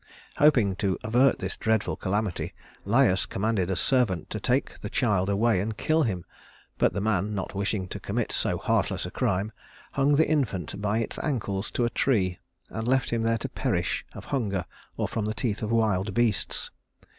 Hoping to avert this dreadful calamity, Laius commanded a servant to take the child away and kill him; but the man, not wishing to commit so heartless a crime, hung the infant by his ankles to a tree, and left him there to perish of hunger or from the teeth of wild beasts.